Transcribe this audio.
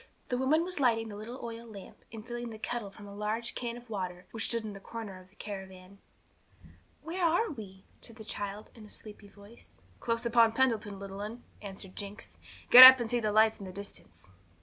The woman was lighting the little oil lamp, and filling the kettle from a large can of water, which stood in the corner of the caravan. 'Where are we?' said the child, in a sleepy voice. 'Close upon Pendleton, little 'un,' answered Jinx. 'Get up and see the lights in the distance.'